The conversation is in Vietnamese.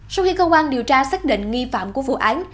sau khi cơ quan điều tra xác định nghi phạm của vụ án